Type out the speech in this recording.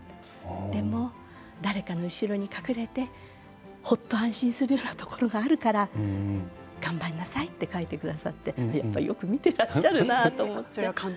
でも誰かの後ろに隠れてほっと安心するようなところがあるから頑張りなさいと書いてくださってやっぱりよく見ていらっしゃるなと思って。